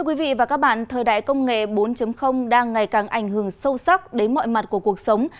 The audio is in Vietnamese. quý vị và các bạn thời đại công nghệ bốn đang ngày càng ảnh hưởng sâu sắc đến mọi mặt của cuộc sống